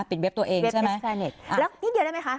ปิดเว็บตัวเองใช่ไหมแล้วนิดเดียวได้ไหมฮะ